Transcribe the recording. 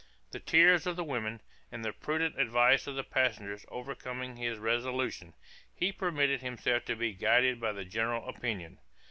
The tears of the women, and the prudent advice of the passengers overcoming his resolution, he permitted himself to be guided by the general opinion.